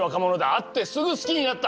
会ってすぐ好きになった！